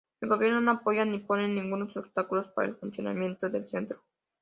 El gobierno no apoya ni pone ningunos obstáculos para el funcionamiento del Centro.